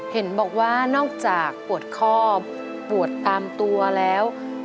เห็นบอกว่านอกจากปวดคอบปวดตามตัวแล้ว